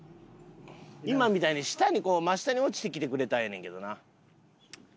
今みたいに下に真下に落ちてきてくれたらええねんけどな。